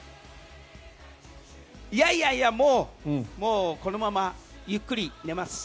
いやいやいやもうこのままゆっくり寝ます。